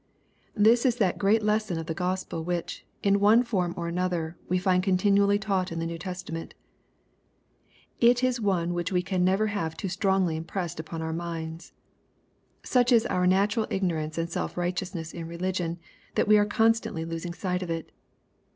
This is that great lesson of the Gospel which, in one form or another, we find continually taught in the New Testament. It is one which we can never have too strongly impressed upon our minds. Such is our natural ignorance and self righteousness in religion, that we are constantly losing siglit of it.